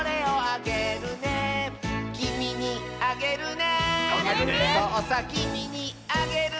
「そうさきみにあげるね」